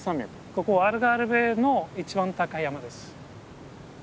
ここアルガルヴェの一番高い山です。